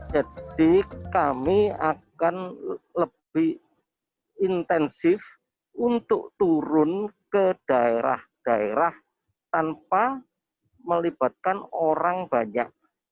jadi kami akan lebih intensif untuk turun ke daerah daerah tanpa melibatkan orang banyak